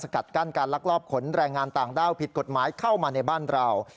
กัดกั้นการลักลอบขนแรงงานต่างด้าวผิดกฎหมายเข้ามาในบ้านเรา